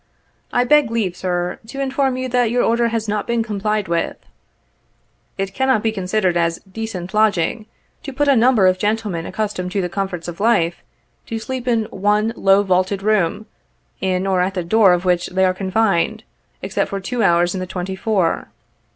I beg leave, sir, to inform you that your order has not been complied with. It cannot be considered as 'decent lodging' to put a number of gentlemen accustomed to the comforts of life, to sleep in one low vaulted room, in or at the door of which they are confined, except for two hours in the twenty four.